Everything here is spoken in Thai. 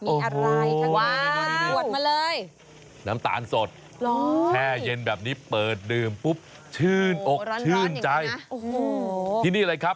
มีอะไรข้างในน้ำตาลสดแพร่เย็นแบบนี้เปิดดื่มปุ๊บชื่นอกชื่นใจที่นี่เลยครับ